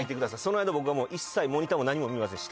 その間僕はもう一切モニターも何も見ません。